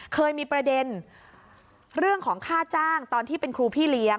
เคยมีประเด็นเรื่องของค่าจ้างตอนที่เป็นครูพี่เลี้ยง